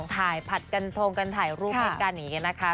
ถ่ายผัดกันทงกันถ่ายรูปให้กันอย่างนี้นะคะ